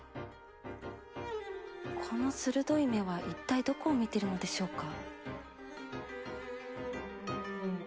この鋭い目は一体どこを見てるのでしょうか？